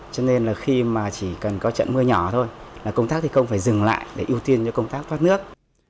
cho nên là khi mà chỉ cần có trận mưa nhỏ thôi là công tác thi công phải dừng lại để ưu tiên cho công tác thoát nước